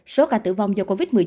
số ca tử vong do covid một mươi chín